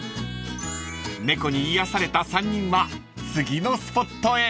［猫に癒やされた３人は次のスポットへ］